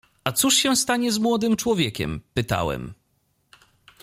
„A cóż się stanie z młodym człowiekiem?” — pytałem.